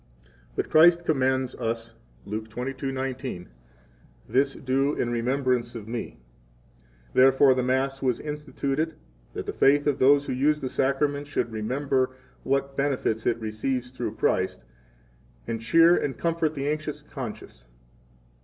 30 But Christ commands us, Luke 22:19: This do in remembrance of Me; therefore the Mass was instituted that the faith of those who use the Sacrament should remember what benefits it receives through Christ, and cheer and comfort the anxious conscience.